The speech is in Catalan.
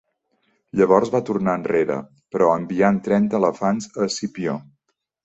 Llavors va tornar enrere però enviant trenta elefants a Escipió.